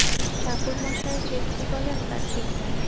ঠাকুরমশায় যে কী বলেন তার ঠিক নাই।